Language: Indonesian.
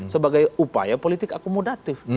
sebagai upaya politik akomodatif